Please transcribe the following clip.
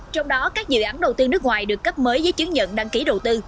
trong đó các dự án đầu tư nước ngoài được cấp mới giấy chứng nhận đăng ký đầu tư